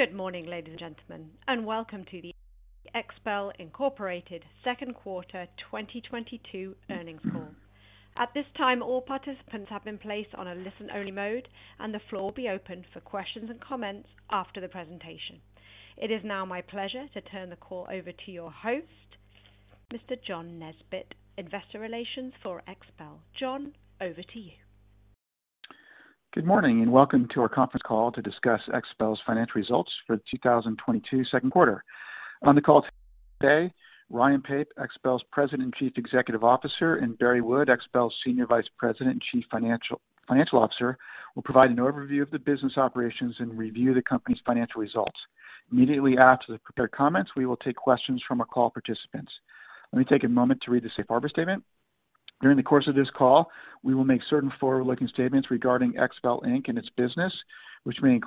Good morning, ladies and gentlemen, and welcome to the XPEL, Inc second quarter 2022 earnings call. At this time, all participants have been placed on a listen-only mode, and the floor will be open for questions and comments after the presentation. It is now my pleasure to turn the call over to your host, Mr. John Nesbett, investor relations for XPEL. John, over to you. Good morning, and welcome to our conference call to discuss XPEL's financial results for 2022 second quarter. On the call today, Ryan Pape, XPEL's President and Chief Executive Officer, and Barry Wood, XPEL's Senior Vice President and Chief Financial Officer will provide an overview of the business operations and review the company's financial results. Immediately after the prepared comments, we will take questions from our call participants. Let me take a moment to read the safe harbor statement. During the course of this call, we will make certain forward-looking statements regarding XPEL, Inc and its business, which may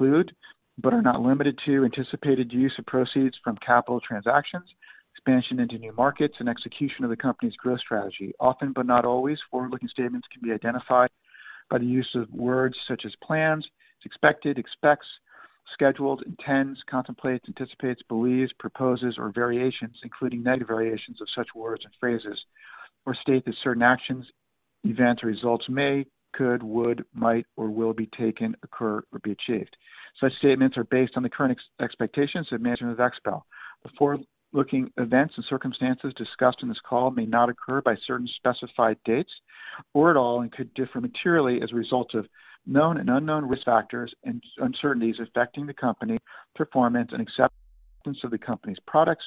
include but are not limited to anticipated use of proceeds from capital transactions, expansion into new markets, and execution of the company's growth strategy. Often, but not always, forward-looking statements can be identified by the use of words such as plans, is expected, expects, scheduled, intends, contemplates, anticipates, believes, proposes, or variations, including negative variations of such words or phrases, or state that certain actions, events or results may, could, would, might or will be taken, occur or be achieved. Such statements are based on the current expectations of management of XPEL. The forward-looking events and circumstances discussed in this call may not occur by certain specified dates or at all and could differ materially as a result of known and unknown risk factors and uncertainties affecting the company, performance and acceptance of the company's products,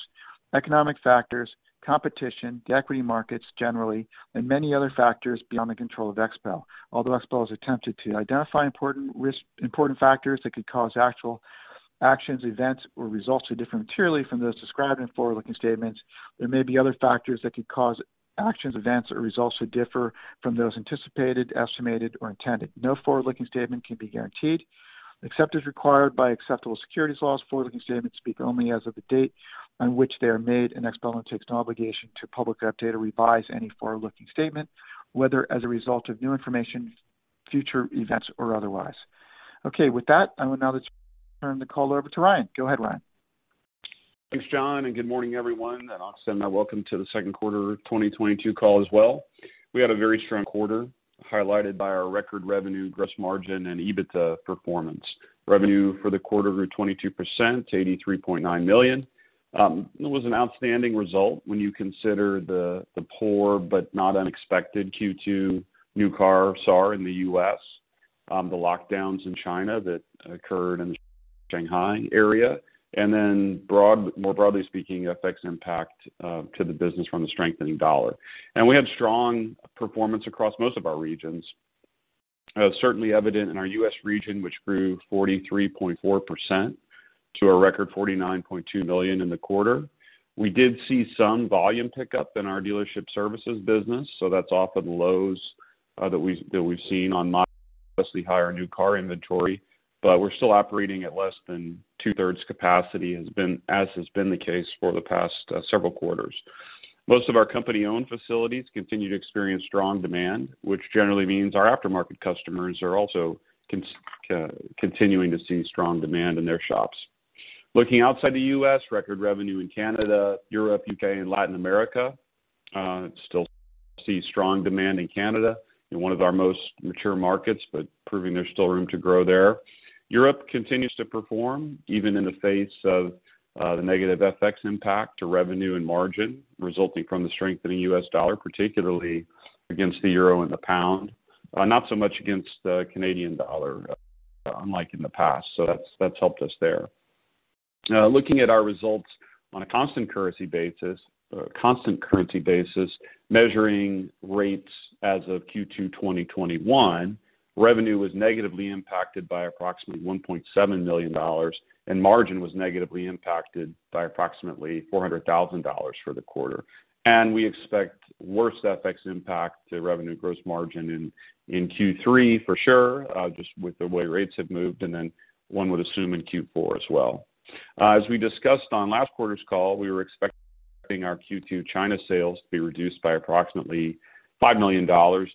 economic factors, competition, the equity markets generally, and many other factors beyond the control of XPEL. Although XPEL has attempted to identify important factors that could cause actual actions, events or results to differ materially from those described in forward-looking statements, there may be other factors that could cause actions, events or results to differ from those anticipated, estimated or intended. No forward-looking statement can be guaranteed. Except as required by applicable securities laws, forward-looking statements speak only as of the date on which they are made, and XPEL undertakes no obligation to publicly update or revise any forward-looking statement, whether as a result of new information, future events or otherwise. Okay. With that, I will now turn the call over to Ryan. Go ahead, Ryan. Thanks, John, and good morning, everyone. Also welcome to the second quarter of 2022 call as well. We had a very strong quarter, highlighted by our record revenue, gross margin, and EBITDA performance. Revenue for the quarter grew 22% to $83.9 million. It was an outstanding result when you consider the poor but not unexpected Q2 new car SAAR in the U.S., the lockdowns in China that occurred in the Shanghai area, and then more broadly speaking, FX impact to the business from the strengthening dollar. We had strong performance across most of our regions, certainly evident in our U.S. region, which grew 43.4% to a record $49.2 million in the quarter. We did see some volume pickup in our dealership services business, so that's off of the lows that we've seen on modestly higher new car inventory, but we're still operating at less than 2/3 capacity as has been the case for the past several quarters. Most of our company-owned facilities continue to experience strong demand, which generally means our aftermarket customers are also continuing to see strong demand in their shops. Looking outside the U.S., record revenue in Canada, Europe, U.K., and Latin America. Still see strong demand in Canada in one of our most mature markets, but proving there's still room to grow there. Europe continues to perform even in the face of the negative FX impact to revenue and margin resulting from the strengthening U.S. dollar, particularly against the euro and the pound. Not so much against the Canadian dollar, unlike in the past. That's helped us there. Looking at our results on a constant currency basis, measuring rates as of Q2 2021, revenue was negatively impacted by approximately $1.7 million, and margin was negatively impacted by approximately $400,000 for the quarter. We expect worse FX impact to revenue gross margin in Q3 for sure, just with the way rates have moved, and then one would assume in Q4 as well. As we discussed on last quarter's call, we were expecting our Q2 China sales to be reduced by approximately $5 million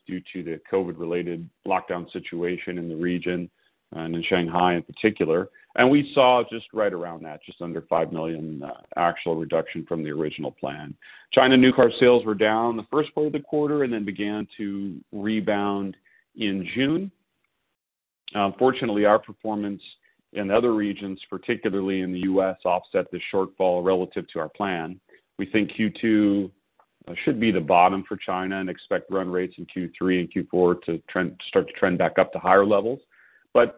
due to the COVID-related lockdown situation in the region, and in Shanghai in particular. We saw just right around that, just under $5 million actual reduction from the original plan. China new car sales were down the first quarter of the year and then began to rebound in June. Fortunately, our performance in other regions, particularly in the U.S., offset the shortfall relative to our plan. We think Q2 should be the bottom for China and expect run rates in Q3 and Q4 to trend back up to higher levels.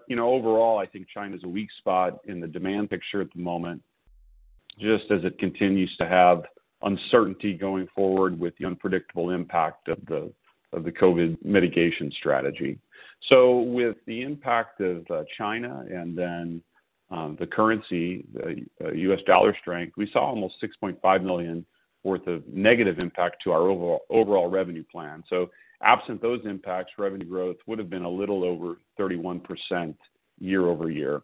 You know, overall, I think China's a weak spot in the demand picture at the moment, just as it continues to have uncertainty going forward with the unpredictable impact of the COVID mitigation strategy. With the impact of China and then the currency, the U.S. dollar strength, we saw almost $6.5 million worth of negative impact to our overall revenue plan. Absent those impacts, revenue growth would have been a little over 31% year-over-year.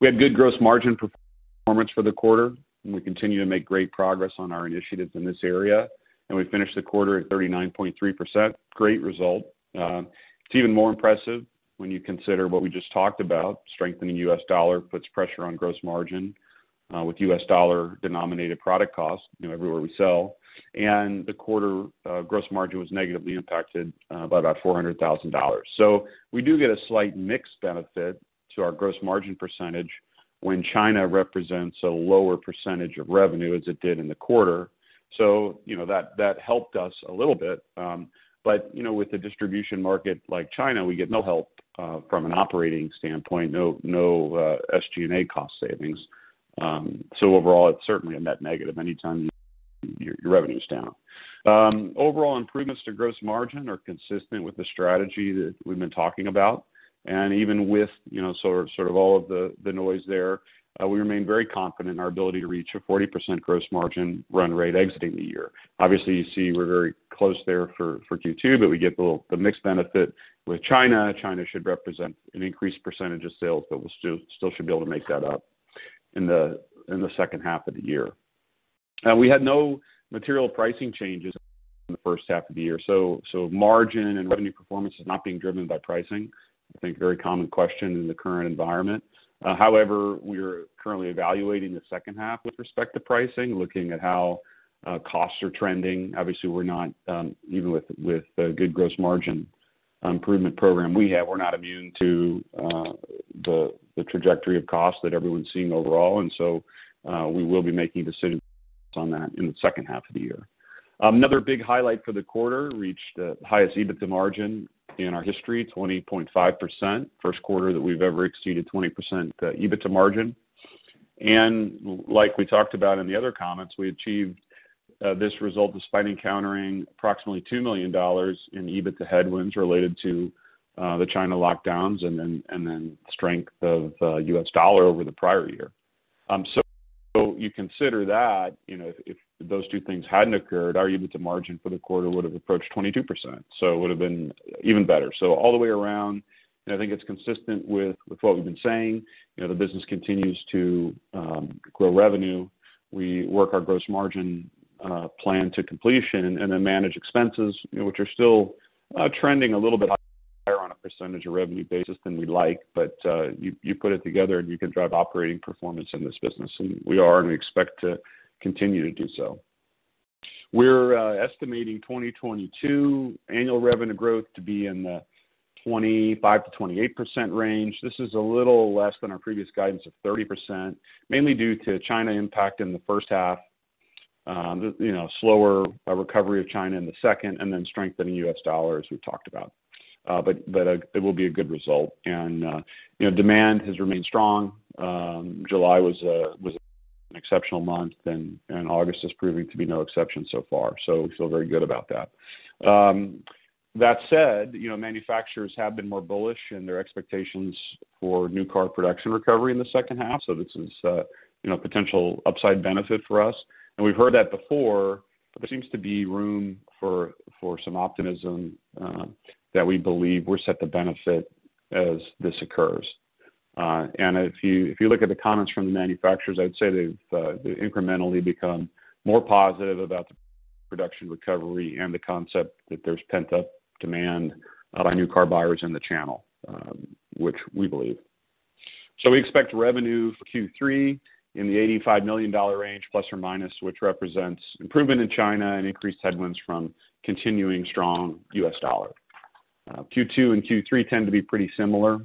We had good gross margin performance for the quarter, and we continue to make great progress on our initiatives in this area, and we finished the quarter at 39.3%. Great result. It's even more impressive when you consider what we just talked about. Strengthening U.S. dollar puts pressure on gross margin with U.S. dollar-denominated product costs, you know, everywhere we sell. The quarter gross margin was negatively impacted by about $400,000. We do get a slight mix benefit to our gross margin percentage when China represents a lower percentage of revenue as it did in the quarter. You know, that helped us a little bit. With the distribution market like China, we get no help from an operating standpoint, no SG&A cost savings. Overall, it's certainly a net negative anytime your revenue's down. Overall improvements to gross margin are consistent with the strategy that we've been talking about. Even with, you know, sort of all of the noise there, we remain very confident in our ability to reach a 40% gross margin run rate exiting the year. Obviously, you see we're very close there for Q2, but we get the mix benefit with China. China should represent an increased percentage of sales, but we'll still should be able to make that up in the second half of the year. We had no material pricing changes in the first half of the year, so margin and revenue performance is not being driven by pricing. I think a very common question in the current environment. However, we are currently evaluating the second half with respect to pricing, looking at how costs are trending. Obviously, we're not even with the good gross margin improvement program we have, we're not immune to the trajectory of costs that everyone's seeing overall. We will be making decisions on that in the second half of the year. Another big highlight for the quarter, reached the highest EBITDA margin in our history, 20.5%. First quarter that we've ever exceeded 20% EBITDA margin. Like we talked about in the other comments, we achieved this result despite encountering approximately $2 million in EBITDA headwinds related to the China lockdowns and then strength of U.S. dollar over the prior year. You consider that, you know, if those two things hadn't occurred, our EBITDA margin for the quarter would have approached 22%. It would have been even better. All the way around, I think it's consistent with what we've been saying, you know, the business continues to grow revenue. We work our gross margin plan to completion and then manage expenses, you know, which are still trending a little bit higher on a percentage of revenue basis than we'd like. You put it together, and you can drive operating performance in this business, and we are and we expect to continue to do so. We're estimating 2022 annual revenue growth to be in the 25%-28% range. This is a little less than our previous guidance of 30%, mainly due to China impact in the first half, you know, slower recovery of China in the second and then strengthening U.S. dollar, as we've talked about. It will be a good result. You know, demand has remained strong. July was an exceptional month, and August is proving to be no exception so far. We feel very good about that. That said, you know, manufacturers have been more bullish in their expectations for new car production recovery in the second half. This is potential upside benefit for us. We've heard that before, but there seems to be room for some optimism that we believe we're set to benefit as this occurs. If you look at the comments from the manufacturers, I'd say they've incrementally become more positive about the production recovery and the concept that there's pent-up demand by new car buyers in the channel, which we believe. We expect revenue for Q3 in the $85 million range plus or minus, which represents improvement in China and increased headwinds from continuing strong U.S. dollar. Q2 and Q3 tend to be pretty similar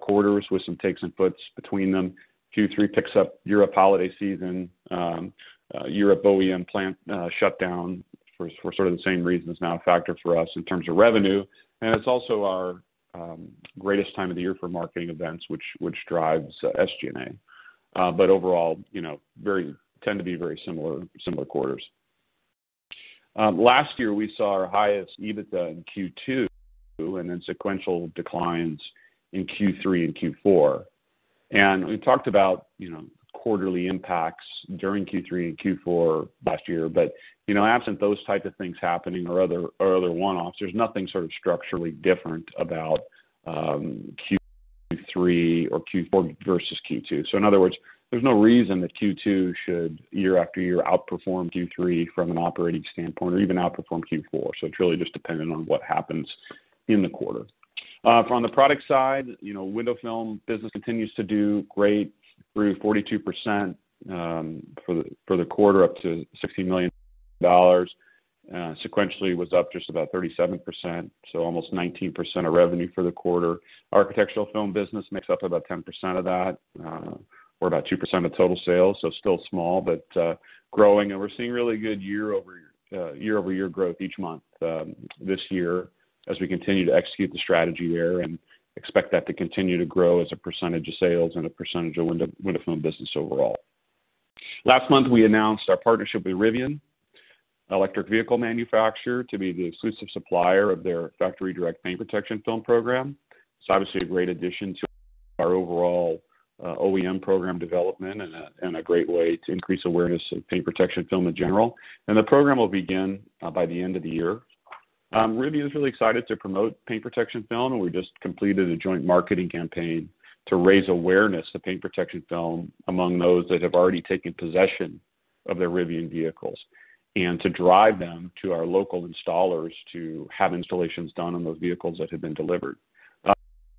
quarters with some takes and puts between them. Q3 picks up. European holiday season, European OEM plant shutdown for sort of the same reason is not a factor for us in terms of revenue. It's also our greatest time of the year for marketing events, which drives SG&A. But overall, you know, tend to be very similar quarters. Last year, we saw our highest EBITDA in Q2 and then sequential declines in Q3 and Q4. We talked about, you know, quarterly impacts during Q3 and Q4 last year, but, you know, absent those type of things happening or other one-offs, there's nothing sort of structurally different about Q3 or Q4 versus Q2. In other words, there's no reason that Q2 should year after year outperform Q3 from an operating standpoint or even outperform Q4. It's really just dependent on what happens in the quarter. From the product side, you know, window film business continues to do great, grew 42%, for the quarter, up to $60 million. Sequentially was up just about 37%, so almost 19% of revenue for the quarter. Architectural film business makes up about 10% of that, or about 2% of total sales, so still small, but growing. We're seeing really good year-over-year growth each month, this year as we continue to execute the strategy there and expect that to continue to grow as a percentage of sales and a percentage of window film business overall. Last month, we announced our partnership with Rivian, electric vehicle manufacturer, to be the exclusive supplier of their factory direct paint protection film program. It's obviously a great addition to our overall OEM program development and a great way to increase awareness of paint protection film in general. The program will begin by the end of the year. Rivian is really excited to promote paint protection film, and we just completed a joint marketing campaign to raise awareness of paint protection film among those that have already taken possession of their Rivian vehicles, and to drive them to our local installers to have installations done on those vehicles that have been delivered.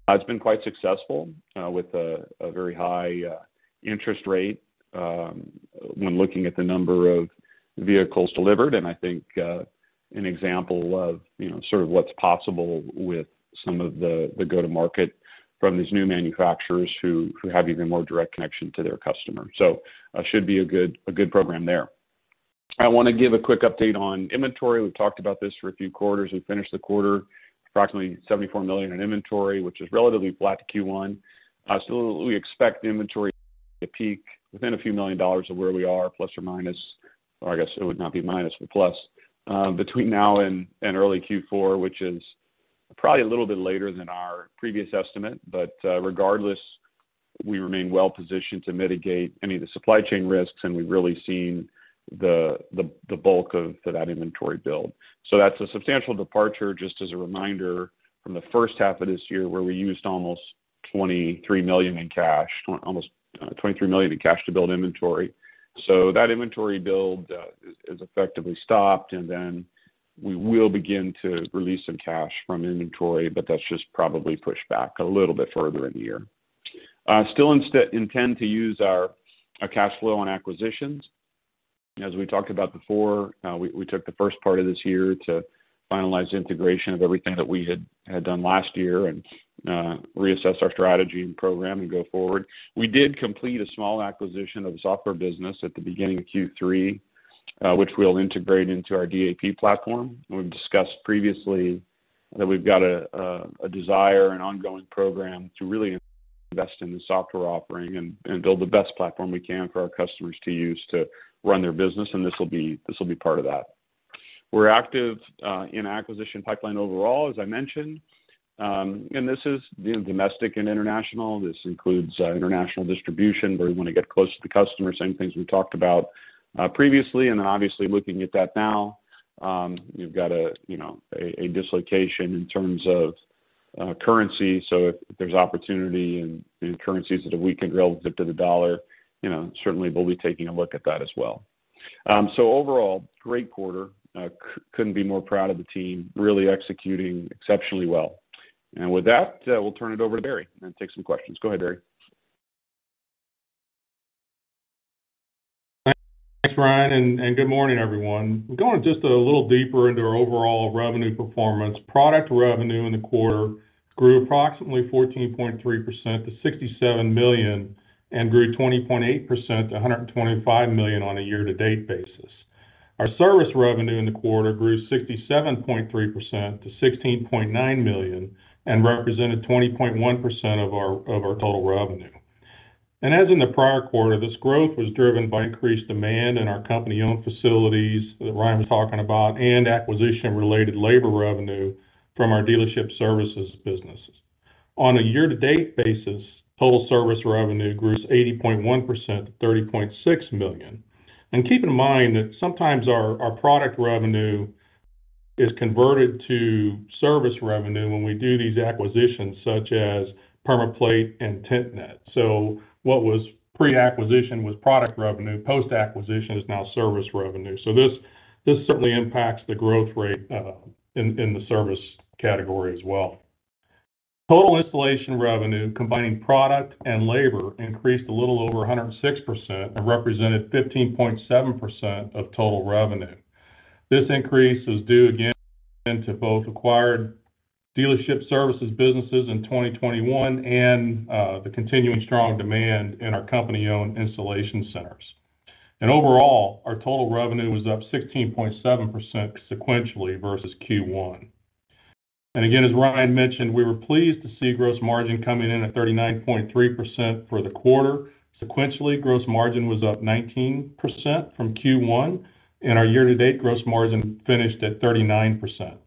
It's been quite successful with a very high interest rate when looking at the number of vehicles delivered. I think an example of you know sort of what's possible with some of the go-to-market from these new manufacturers who have even more direct connection to their customers. It should be a good program there. I wanna give a quick update on inventory. We've talked about this for a few quarters. We finished the quarter approximately $74 million in inventory, which is relatively flat to Q1. We expect the inventory to peak within a few million dollars of where we are, plus or minus, or I guess it would not be minus, but plus, between now and early Q4, which is probably a little bit later than our previous estimate. Regardless, we remain well positioned to mitigate any of the supply chain risks, and we've really seen the bulk of that inventory build. That's a substantial departure, just as a reminder, from the first half of this year, where we used almost $23 million in cash to build inventory. That inventory build is effectively stopped, and then we will begin to release some cash from inventory, but that's just probably pushed back a little bit further in the year. Still intend to use our cash flow on acquisitions. As we talked about before, we took the first part of this year to finalize the integration of everything that we had done last year and reassess our strategy and program and go forward. We did complete a small acquisition of a software business at the beginning of Q3, which we'll integrate into our DAP platform. We've discussed previously that we've got a desire and ongoing program to really invest in the software offering and build the best platform we can for our customers to use to run their business, and this will be part of that. We're active in acquisition pipeline overall, as I mentioned, and this is both domestic and international. This includes international distribution, where we wanna get close to the customer, same things we talked about previously. Then obviously, looking at that now, you've got a, you know, a dislocation in terms of currency. If there's opportunity in currencies that have weakened relative to the dollar, you know, certainly we'll be taking a look at that as well. Overall, great quarter. Couldn't be more proud of the team, really executing exceptionally well. With that, we'll turn it over to Barry and take some questions. Go ahead, Barry. Thanks, Ryan, and good morning, everyone. Going just a little deeper into our overall revenue performance. Product revenue in the quarter grew approximately 14.3% to $67 million and grew 20.8% to $125 million on a year-to-date basis. Our service revenue in the quarter grew 67.3% to $16.9 million and represented 20.1% of our total revenue. As in the prior quarter, this growth was driven by increased demand in our company-owned facilities that Ryan was talking about and acquisition-related labor revenue from our dealership services businesses. On a year-to-date basis, total service revenue grew 80.1% to $30.6 million. Keep in mind that sometimes our product revenue is converted to service revenue when we do these acquisitions, such as PermaPlate and TintNet. What was pre-acquisition was product revenue, post-acquisition is now service revenue. This certainly impacts the growth rate in the service category as well. Total installation revenue, combining product and labor, increased a little over 106% and represented 15.7% of total revenue. This increase is due again to both acquired dealership services businesses in 2021 and the continuing strong demand in our company-owned installation centers. Overall, our total revenue was up 16.7% sequentially versus Q1. Again, as Ryan mentioned, we were pleased to see gross margin coming in at 39.3% for the quarter. Sequentially, gross margin was up 19% from Q1, and our year-to-date gross margin finished at 39%.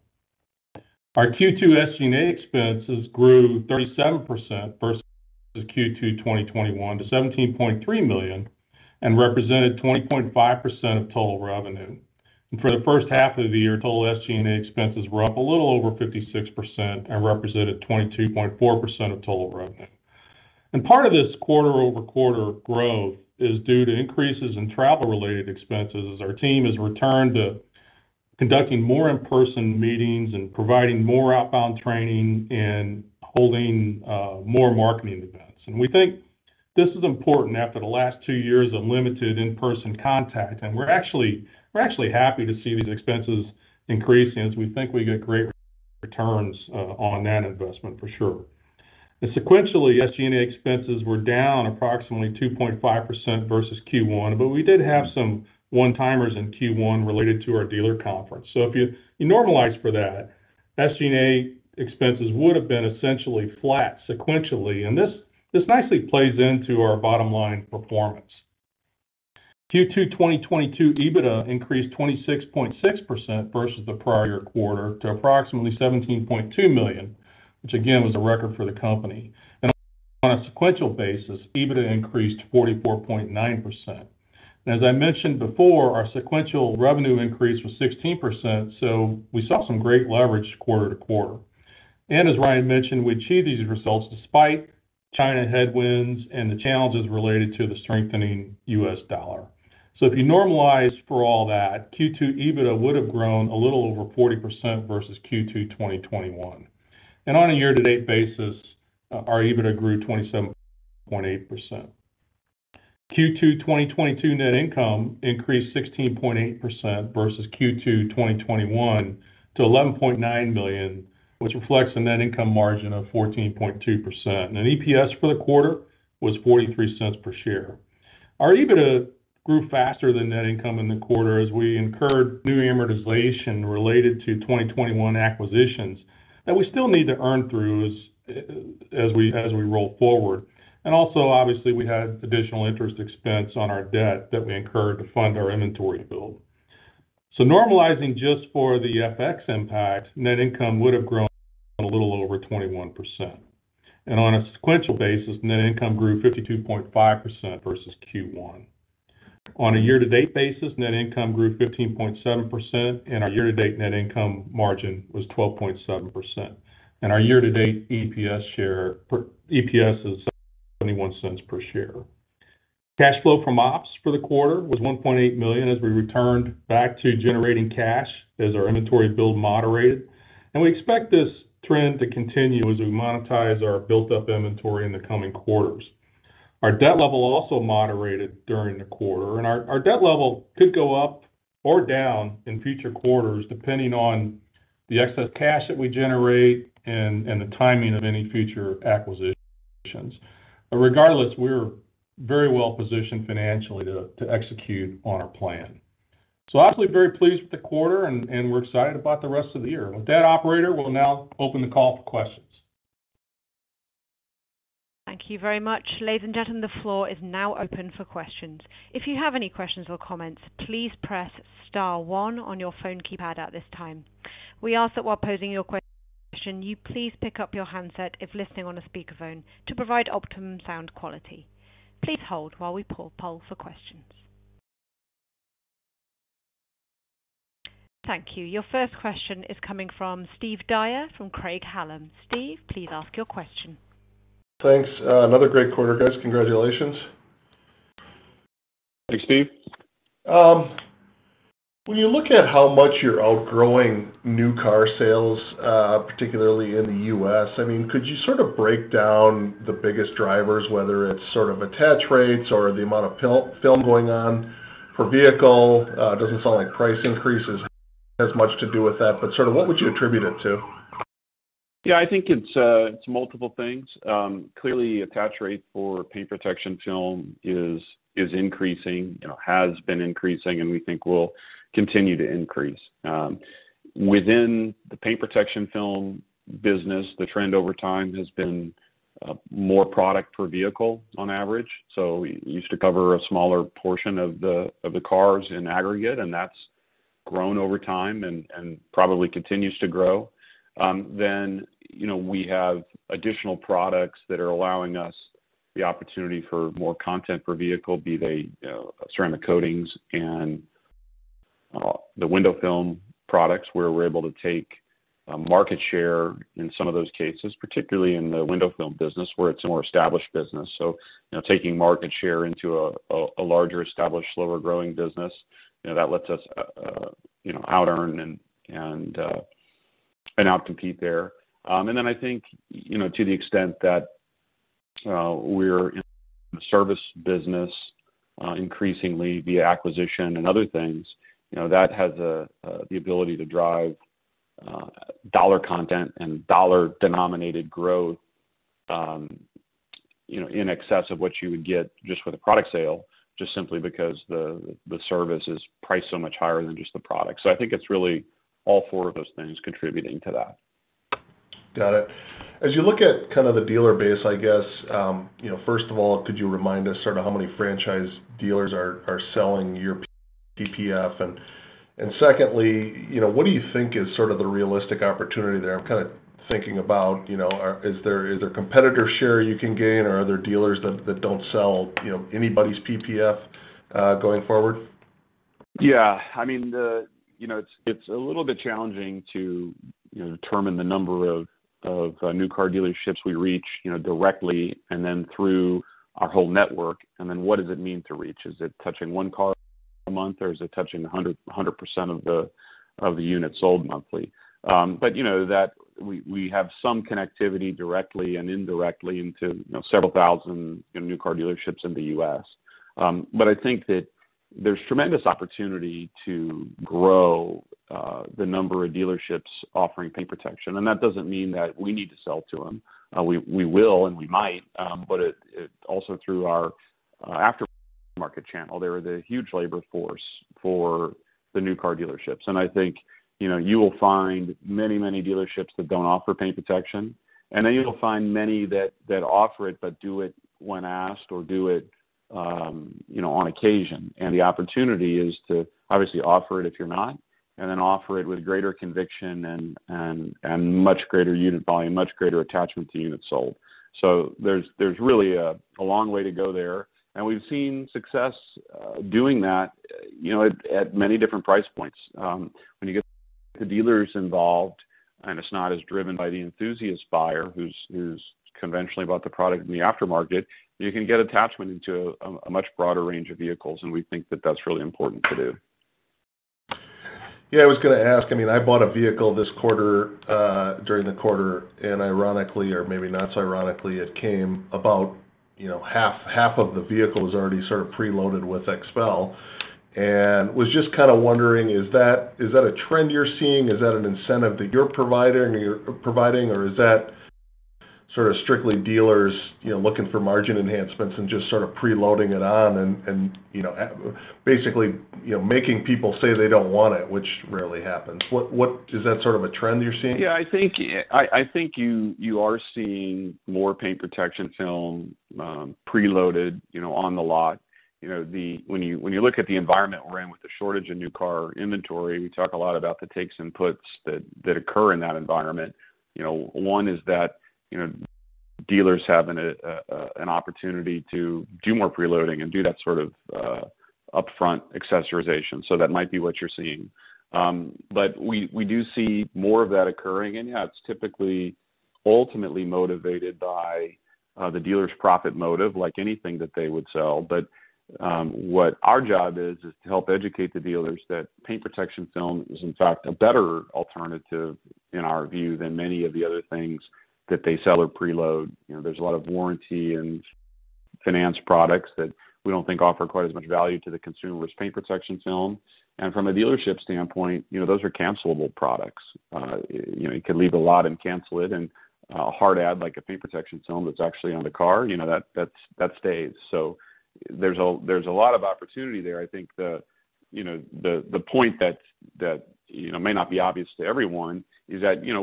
Our Q2 SG&A expenses grew 37% versus Q2 2021 to $17.3 million and represented 20.5% of total revenue. For the first half of the year, total SG&A expenses were up a little over 56% and represented 22.4% of total revenue. Part of this quarter-over-quarter growth is due to increases in travel-related expenses as our team has returned to conducting more in-person meetings and providing more outbound training and holding more marketing events. We think this is important after the last two years of limited in-person contact, and we're actually happy to see these expenses increasing, as we think we get great returns on that investment for sure. Sequentially, SG&A expenses were down approximately 2.5% versus Q1, but we did have some one-timers in Q1 related to our dealer conference. If you normalize for that, SG&A expenses would have been essentially flat sequentially, and this nicely plays into our bottom line performance. Q2 2022 EBITDA increased 26.6% versus the prior year quarter to approximately $17.2 million, which again was a record for the company. On a sequential basis, EBITDA increased 44.9%. As I mentioned before, our sequential revenue increase was 16%, so we saw some great leverage quarter to quarter. As Ryan mentioned, we achieved these results despite China headwinds and the challenges related to the strengthening U.S. dollar. If you normalize for all that, Q2 EBITDA would have grown a little over 40% versus Q2 2021. On a year-to-date basis, our EBITDA grew 27.8%. Q2 2022 net income increased 16.8% versus Q2 2021 to $11.9 million, which reflects a net income margin of 14.2%. Net EPS for the quarter was $0.43 per share. Our EBITDA grew faster than net income in the quarter as we incurred new amortization related to 2021 acquisitions that we still need to earn through as we roll forward. We also, obviously, had additional interest expense on our debt that we incurred to fund our inventory build. Normalizing just for the FX impact, net income would have grown a little over 21%. On a sequential basis, net income grew 52.5% versus Q1. On a year-to-date basis, net income grew 15.7%, and our year-to-date net income margin was 12.7%. Our year-to-date EPS is $0.21 per share. Cash flow from ops for the quarter was $1.8 million as we returned back to generating cash as our inventory build moderated. We expect this trend to continue as we monetize our built-up inventory in the coming quarters. Our debt level also moderated during the quarter, and our debt level could go up or down in future quarters depending on the excess cash that we generate and the timing of any future acquisitions. Regardless, we're very well positioned financially to execute on our plan. Obviously very pleased with the quarter and we're excited about the rest of the year. With that, operator, we'll now open the call for questions. Thank you very much. Ladies and gentlemen, the floor is now open for questions. If you have any questions or comments, please press star one on your phone keypad at this time. We ask that while posing your question, you please pick up your handset if listening on a speakerphone to provide optimum sound quality. Please hold while we poll for questions. Thank you. Your first question is coming from Steve Dyer from Craig-Hallum. Steve, please ask your question. Thanks. Another great quarter, guys. Congratulations. Thanks, Steve. When you look at how much you're outgrowing new car sales, particularly in the U.S., I mean, could you sort of break down the biggest drivers, whether it's sort of attach rates or the amount of film going on per vehicle? It doesn't sound like price increases has much to do with that, but sort of what would you attribute it to? Yeah, I think it's multiple things. Clearly, attach rate for paint protection film is increasing, you know, has been increasing and we think will continue to increase. Within the paint protection film business, the trend over time has been more product per vehicle on average. We used to cover a smaller portion of the cars in aggregate, and that's grown over time and probably continues to grow. You know, we have additional products that are allowing us the opportunity for more content per vehicle, be they, you know, ceramic coatings and the window film products, where we're able to take market share in some of those cases, particularly in the window film business, where it's a more established business. You know, taking market share into a larger, established, slower-growing business, you know, that lets us, you know, outearn and outcompete there. I think, you know, to the extent that we're in the service business, increasingly via acquisition and other things, you know, that has the ability to drive dollar content and dollar-denominated growth, you know, in excess of what you would get just with a product sale, just simply because the service is priced so much higher than just the product. I think it's really all four of those things contributing to that. Got it. As you look at kind of the dealer base, I guess, you know, first of all, could you remind us sort of how many franchise dealers are selling your PPF? And secondly, you know, what do you think is sort of the realistic opportunity there? I'm kinda thinking about, you know, is there competitor share you can gain or are there dealers that don't sell, you know, anybody's PPF going forward? Yeah. I mean, you know, it's a little bit challenging to, you know, determine the number of new car dealerships we reach, you know, directly and then through our whole network. What does it mean to reach? Is it touching one car a month or is it touching 100% of the units sold monthly? You know that we have some connectivity directly and indirectly into, you know, several thousand new car dealerships in the U.S. I think that there's tremendous opportunity to grow the number of dealerships offering paint protection. That doesn't mean that we need to sell to them. We will and we might, but it also through our after Market channel. They're the huge labor force for the new car dealerships. I think, you know, you will find many dealerships that don't offer paint protection, and then you'll find many that offer it, but do it when asked or do it, you know, on occasion. The opportunity is to obviously offer it if you're not, and then offer it with greater conviction and much greater unit volume, much greater attachment to units sold. There's really a long way to go there, and we've seen success doing that, you know, at many different price points. When you get the dealers involved, and it's not as driven by the enthusiast buyer who's conventionally bought the product in the aftermarket, you can get attachment into a much broader range of vehicles, and we think that that's really important to do. Yeah. I was gonna ask, I mean, I bought a vehicle this quarter, during the quarter, and ironically or maybe not so ironically, it came about, you know, half of the vehicle was already sort of preloaded with XPEL. I was just kind of wondering, is that a trend you're seeing? Is that an incentive that you're providing or is that sort of strictly dealers, you know, looking for margin enhancements and just sort of preloading it on and, you know, basically, you know, making people say they don't want it, which rarely happens. What is that sort of a trend you're seeing? Yeah, I think you are seeing more paint protection film preloaded, you know, on the lot. You know, when you look at the environment we're in with the shortage of new car inventory, we talk a lot about the takes and puts that occur in that environment. You know, one is that, you know, dealers having an opportunity to do more preloading and do that sort of upfront accessorization. That might be what you're seeing. We do see more of that occurring and yeah, it's typically ultimately motivated by the dealer's profit motive like anything that they would sell. What our job is to help educate the dealers that paint protection film is in fact a better alternative in our view than many of the other things that they sell or preload. You know, there's a lot of warranty and finance products that we don't think offer quite as much value to the consumer as paint protection film. From a dealership standpoint, you know, those are cancelable products. You know, you could leave the lot and cancel it and hard add like a paint protection film that's actually on the car, you know, that stays. There's a lot of opportunity there. I think the point that you know may not be obvious to everyone is that you know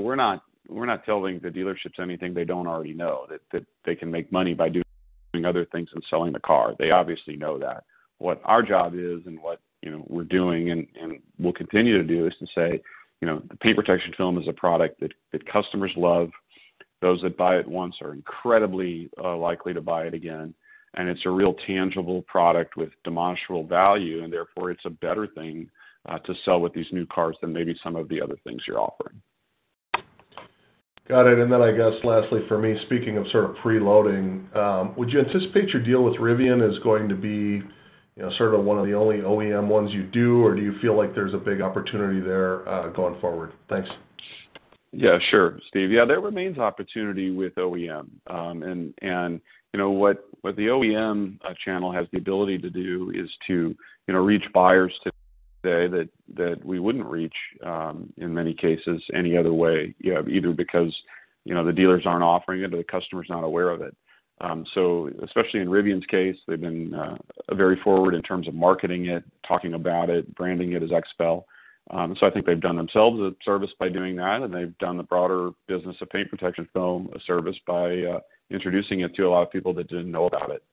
we're not telling the dealerships anything they don't already know that they can make money by doing other things than selling the car. They obviously know that. What our job is and what you know we're doing and will continue to do is to say you know the paint protection film is a product that customers love. Those that buy it once are incredibly likely to buy it again, and it's a real tangible product with demonstrable value and therefore it's a better thing to sell with these new cars than maybe some of the other things you're offering. Got it. I guess lastly for me, speaking of sort of preloading, would you anticipate your deal with Rivian is going to be, you know, sort of one of the only OEM ones you do, or do you feel like there's a big opportunity there, going forward? Thanks. Yeah, sure, Steve. Yeah, there remains opportunity with OEM. The OEM channel has the ability to do is to reach buyers today that we wouldn't reach in many cases any other way, you know, either because the dealers aren't offering it or the customer's not aware of it. Especially in Rivian’s case, they've been very forward in terms of marketing it, talking about it, branding it as XPEL. I think they've done themselves a service by doing that, and they've done the broader business of paint protection film a service by introducing it to a lot of people that didn't know about it.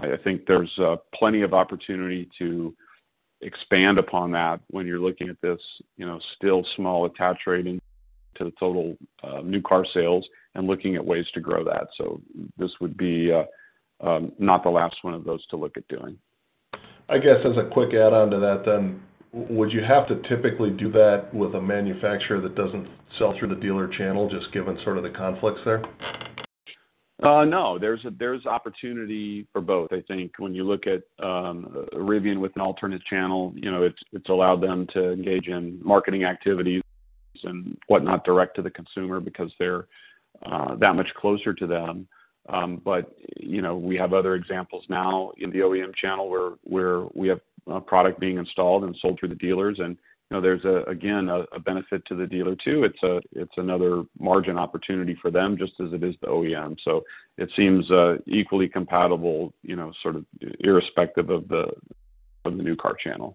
I think there's plenty of opportunity to expand upon that when you're looking at this, you know, still small attach rate to the total new car sales and looking at ways to grow that. This would be not the last one of those to look at doing. I guess as a quick add-on to that then, would you have to typically do that with a manufacturer that doesn't sell through the dealer channel just given sort of the conflicts there? No. There's opportunity for both. I think when you look at Rivian with an alternate channel, you know, it's allowed them to engage in marketing activities and whatnot direct to the consumer because they're that much closer to them. You know, we have other examples now in the OEM channel where we have a product being installed and sold through the dealers and, you know, there's again a benefit to the dealer too. It's another margin opportunity for them just as it is to OEM. It seems equally compatible, you know, sort of irrespective of the new car channel.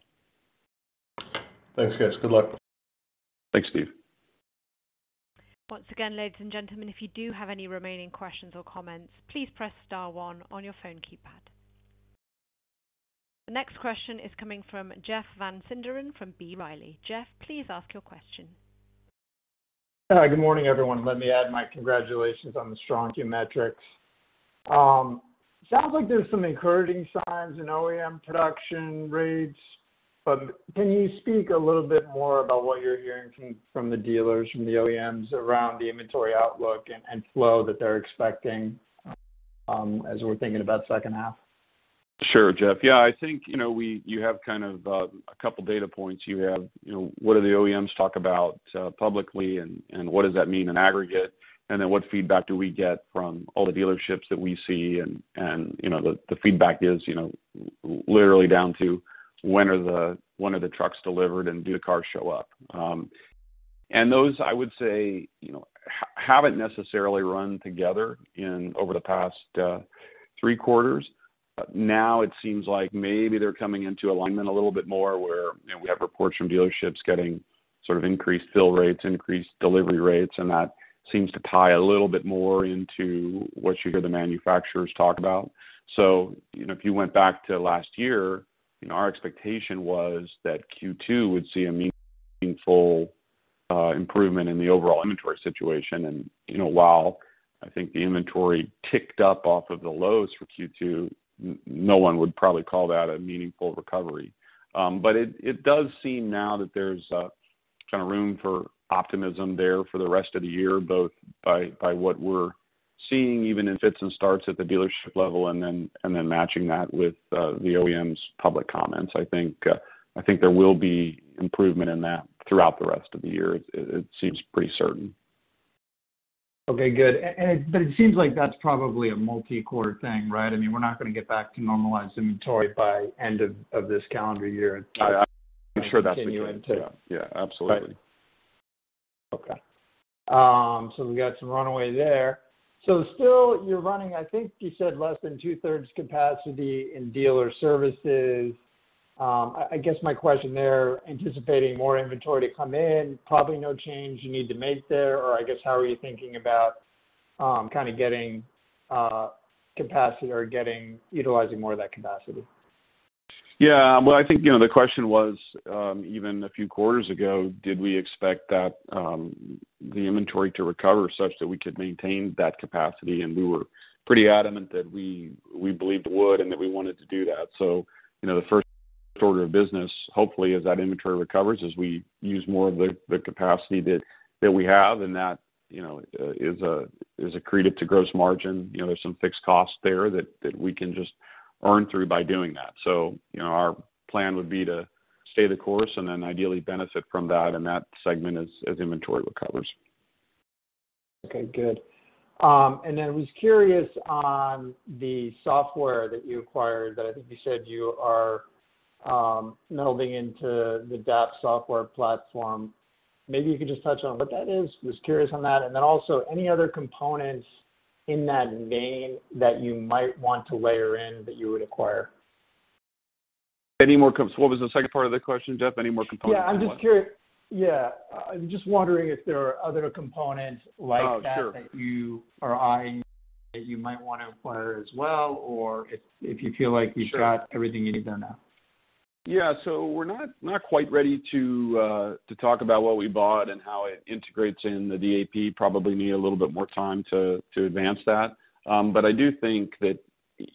Thanks, guys. Good luck. Thanks, Steve. Once again, ladies and gentlemen, if you do have any remaining questions or comments, please press star one on your phone keypad. The next question is coming from Jeff Van Sinderen from B. Riley. Jeff, please ask your question. Hi. Good morning, everyone. Let me add my congratulations on the strong key metrics. Sounds like there's some encouraging signs in OEM production rates, but can you speak a little bit more about what you're hearing from the dealers, from the OEMs around the inventory outlook and flow that they're expecting, as we're thinking about second half? Sure, Jeff. Yeah. I think, you know, you have kind of a couple data points. You have, you know, what do the OEMs talk about publicly and what does that mean in aggregate? Then what feedback do we get from all the dealerships that we see? You know, the feedback is, you know, literally down to when are the trucks delivered and do the cars show up? Those, I would say, you know, haven't necessarily run together in over the past three quarters. Now it seems like maybe they're coming into alignment a little bit more where, you know, we have reports from dealerships getting sort of increased fill rates, increased delivery rates, and that seems to tie a little bit more into what you hear the manufacturers talk about. You know, if you went back to last year, you know, our expectation was that Q2 would see a meaningful improvement in the overall inventory situation. You know, while I think the inventory ticked up off of the lows for Q2, no one would probably call that a meaningful recovery. It does seem now that there's kind of room for optimism there for the rest of the year, both by what we're seeing even in fits and starts at the dealership level, and then matching that with the OEM's public comments. I think there will be improvement in that throughout the rest of the year. It seems pretty certain. Okay, good. It seems like that's probably a multi-year thing, right? I mean, we're not gonna get back to normalized inventory by end of this calendar year. I'm sure that's the case. Continue into. Yeah, absolutely. Okay. We got some run rate there. Still you're running, I think you said less than two-thirds capacity in dealer services. I guess my question there, anticipating more inventory to come in, probably no change you need to make there or I guess how are you thinking about kind of getting capacity or utilizing more of that capacity? Yeah. Well, I think, you know, the question was, even a few quarters ago, did we expect that, the inventory to recover such that we could maintain that capacity? We were pretty adamant that we believed it would and that we wanted to do that. You know, the first order of business, hopefully as that inventory recovers, is we use more of the capacity that we have and that, you know, is accreted to gross margin. You know, there's some fixed costs there that we can just earn through by doing that. You know, our plan would be to stay the course and then ideally benefit from that in that segment as inventory recovers. Okay, good. I was curious on the software that you acquired that I think you said you are melding into the DAP software platform. Maybe you could just touch on what that is. Was curious on that. Also any other components in that vein that you might want to layer in that you would acquire. What was the second part of the question, Jeff? Any more components I want. Yeah. I'm just wondering if there are other components like that. Oh, sure. that you are eyeing, that you might wanna acquire as well, or if you feel like you've got everything you need there now. Yeah. We're not quite ready to talk about what we bought and how it integrates in the DAP. Probably need a little bit more time to advance that. I do think that,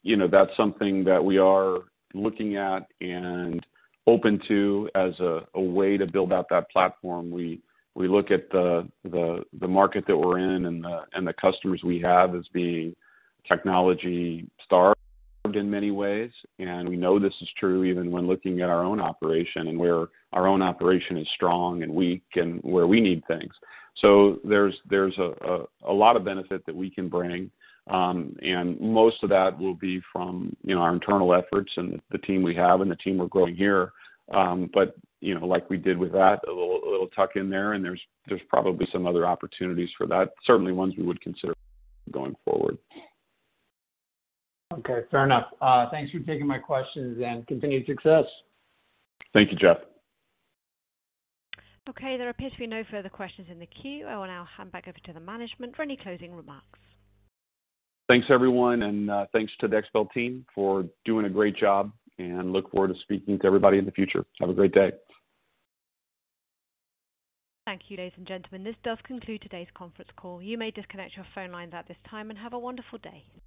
you know, that's something that we are looking at and open to as a way to build out that platform. We look at the market that we're in and the customers we have as being technology starved in many ways. We know this is true even when looking at our own operation and where our own operation is strong and weak and where we need things. There's a lot of benefit that we can bring, and most of that will be from, you know, our internal efforts and the team we have and the team we're growing here. You know, like we did with that, a little tuck in there, and there's probably some other opportunities for that. Certainly ones we would consider going forward. Okay. Fair enough. Thanks for taking my questions and continued success. Thank you, Jeff. Okay, there appear to be no further questions in the queue. I will now hand back over to the management for any closing remarks. Thanks, everyone, and thanks to the XPEL team for doing a great job, and look forward to speaking to everybody in the future. Have a great day. Thank you, ladies and gentlemen. This does conclude today's conference call. You may disconnect your phone lines at this time and have a wonderful day.